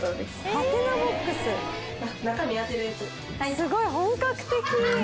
すごい！本格的！